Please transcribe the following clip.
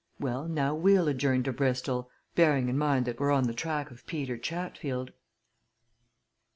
Well, now we'll adjourn to Bristol bearing in mind that we're on the track of Peter Chatfield!"